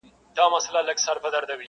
لهشاوردروميګناهونهيېدلېپاتهسي.